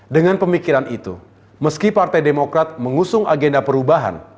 dengan pemikiran itu meski partai demokrat mengusung agenda perubahan